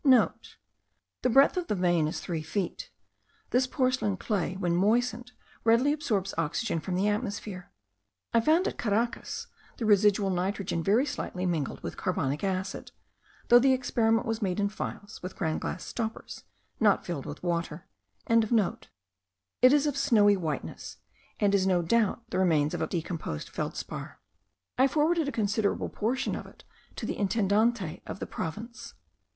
*(* The breadth of the vein is three feet. This porcelain clay, when moistened, readily absorbs oxygen from the atmosphere. I found, at Caracas, the residual nitrogen very slightly mingled with carbonic acid, though the experiment was made in phials with ground glass stoppers, not filled with water.) It is of snowy whiteness, and is no doubt the remains of a decomposed feldspar. I forwarded a considerable portion of it to the intendant of the province.